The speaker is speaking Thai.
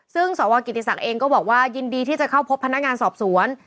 ซึ่งสวกิติศักดิ์เองก็บอกว่ายินดีที่จะเข้าพบพนักงานสอบสวน